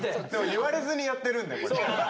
言われずにやってるんでこれ。